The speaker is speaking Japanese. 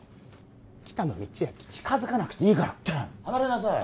北野道昭近づかなくていいから離れなさい